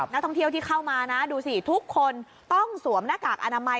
นักท่องเที่ยวที่เข้ามานะดูสิทุกคนต้องสวมหน้ากากอนามัย